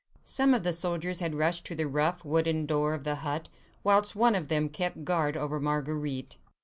Some of the soldiers had rushed to the rough, wooden door of the hut, whilst one of them kept guard over Marguerite.